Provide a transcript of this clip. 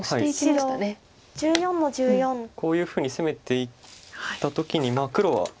こういうふうに攻めていった時に黒は。